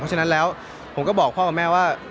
ฉะนั้นแล้วผมก็บอกพ่อกับแม่ว่า